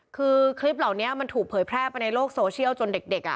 คือคลิปเหล่านี้มันถูกเผยแพร่ไปในโลกโซเชียลจนเด็กอ่ะ